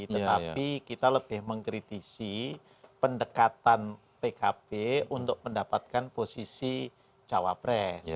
tetapi kita lebih mengkritisi pendekatan pkb untuk mendapatkan posisi cawapres